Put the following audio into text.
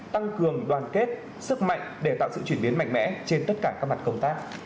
tăng cường đoàn kết sức mạnh để tạo sự chuyển biến mạnh mẽ trên tất cả các mặt công tác